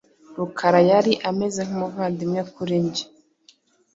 Rukara yari ameze nkumuvandimwe kuri njye.